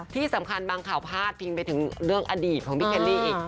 ที่สำคัญบางข่าวพาดพิงไปถึงเรื่องอดีตของพี่เคลลี่อีก